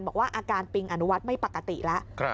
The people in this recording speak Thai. บอกว่าอาการปิงอนุวัฒน์ไม่ปกติแล้ว